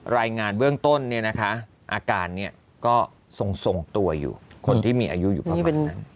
รายงานเบื้องต้นเนี่ยนะคะอาการก็ทรงตัวอยู่คนที่มีอายุอยู่ประมาณนั้น